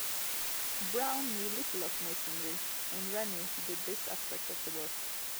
Brown knew little of masonry, and Rennie did this aspect of the work.